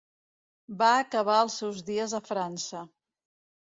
Va acabar els seus dies a França.